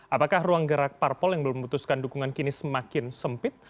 apakah ruang gerak parpol yang belum memutuskan dukungan kini semakin sempit